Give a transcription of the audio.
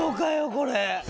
これ。